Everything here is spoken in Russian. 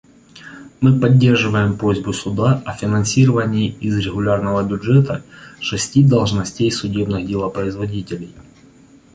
Мы поддерживаем просьбу Суда о финансировании из регулярного бюджета шести должностей судебных делопроизводителей.